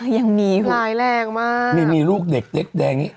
ยังมีลายแรงมากมีมีลูกเด็กเด็กแดงนี้